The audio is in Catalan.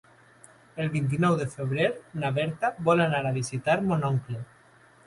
El vint-i-nou de febrer na Berta vol anar a visitar mon oncle.